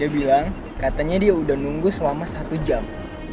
dia bilang katanya dia udah nunggu selama satu jam